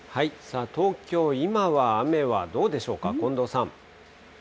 東京、今は雨はどうでしょうか、近藤さん。